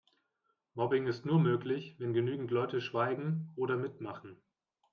Mobbing ist nur möglich, wenn genügend Leute schweigen oder mitmachen.